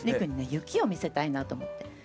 雪を見せたいなと思って。